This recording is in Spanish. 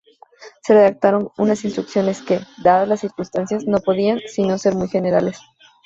Se redactaron unas Instrucciones que, dadas las circunstancias, no podían sino ser muy generales.